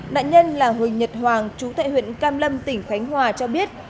nạn nhân là huỳnh nhật hoàng chú tại huyện cam lâm tỉnh khánh hòa cho biết